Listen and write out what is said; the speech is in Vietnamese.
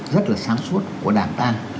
rất là sáng suốt của đảng ta